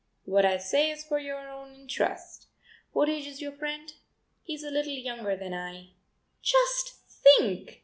What I say is for your own interest. What age is your friend?" "He is a little younger than I." "Just think!